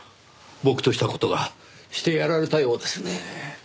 僕とした事がしてやられたようですねぇ。